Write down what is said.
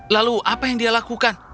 lalu apa yang dia lakukan